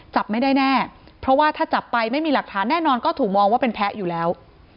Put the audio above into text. จับไม่ได้แน่เพราะว่าถ้าจับไปไม่มีหลักฐานแน่นอนก็ถูกมองว่าเป็นแพ้อยู่แล้ว